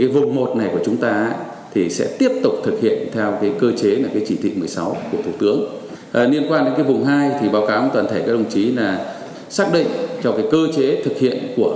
vùng một của chúng ta sẽ tiếp tục thực hiện theo cơ chế chỉ thị một mươi sáu của thủ tướng